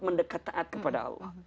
mendekat taat kepada allah